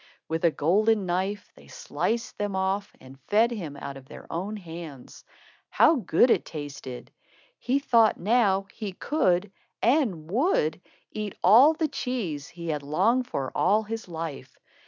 With a golden knife, they sliced them off and fed him out of their own hands. How good it tasted! He thought now he could, and would, eat all the cheese he had longed for all his life.